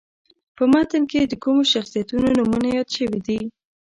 په متن کې د کومو شخصیتونو نومونه یاد شوي دي.